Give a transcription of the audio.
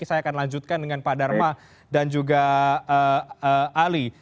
saya akan lanjutkan dengan pak dharma dan juga ali